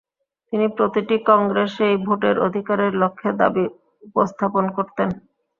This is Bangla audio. তিনি প্রতিটি কংগ্রেসেই ভোটের অধিকারের লক্ষ্যে দাবী উপস্থাপন করতেন।